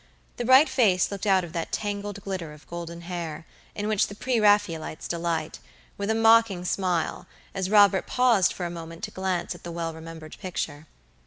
The bright face looked out of that tangled glitter of golden hair, in which the Pre Raphaelites delight, with a mocking smile, as Robert paused for a moment to glance at the well remembered picture.